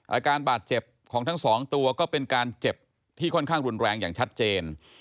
อาการบาดเจ็บของทั้งสองตัวก็เป็นการเจ็บที่ค่อนข้างรุนแรงอย่างชัดเจน